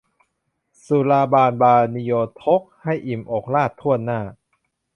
สุราบานบานิโยทก ให้อิ่มอกราษฎร์ถ้วนหน้า